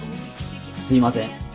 すいません。